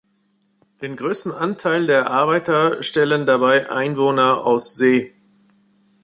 Den größten Anteil der Arbeiter stellen dabei Einwohner aus See.